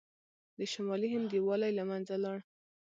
د شمالي هند یووالی له منځه لاړ.